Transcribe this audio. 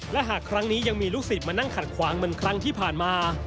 และหากครั้งนี้ยังมีลูกศิษย์มานั่งขัดขวางเหมือนครั้งที่ผ่านมา